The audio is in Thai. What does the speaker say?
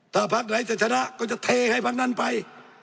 ถ้าภักดิ์ไหนจะชนะก็จะเทให้ภักดิ์นั้นไป